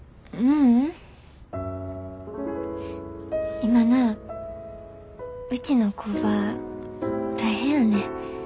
今なうちの工場大変やねん。